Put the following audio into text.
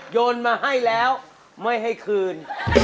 ยนต์มาให้แล้วไม่ให้คืน